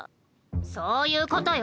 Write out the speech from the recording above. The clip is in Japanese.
そういうことよ。